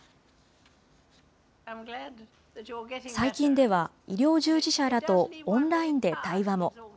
最近では、医療従事者らとオンラインで対話も。